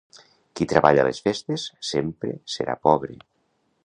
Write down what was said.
Qui treballa a les festes, sempre serà pobre.